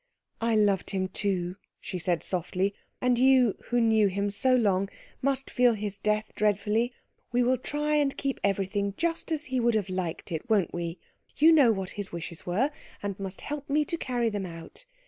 "I loved him too," she said softly, "and you who knew him so long must feel his death dreadfully. We will try and keep everything just as he would have liked it, won't we? You know what his wishes were, and must help me to carry them out.